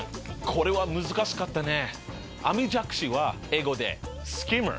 これは難しかったね。